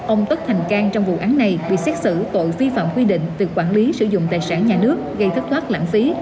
ông tất thành cang trong vụ án này bị xét xử tội vi phạm quy định về quản lý sử dụng tài sản nhà nước gây thất thoát lãng phí